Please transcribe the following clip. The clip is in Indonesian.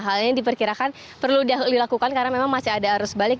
hal ini diperkirakan perlu dilakukan karena memang masih ada arus balik